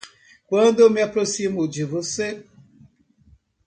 Quando eu me aproximo de você